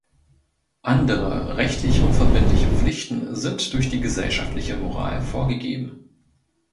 Andere rechtlich unverbindliche Pflichten sind durch die gesellschaftliche Moral vorgegeben.